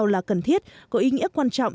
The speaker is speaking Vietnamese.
là cần thiết có ý nghĩa quan trọng